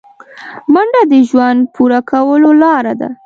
منډه د ژوند پوره کولو لاره ده